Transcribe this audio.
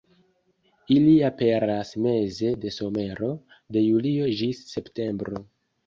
Ili aperas meze de somero, de julio ĝis septembro.